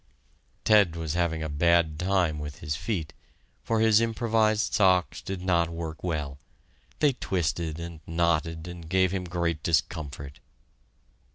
Ted was having a bad time with his feet, for his improvised socks did not work well. They twisted and knotted and gave him great discomfort.